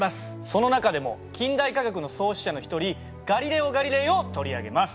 その中でも近代科学の創始者の一人ガリレオ・ガリレイを取り上げます。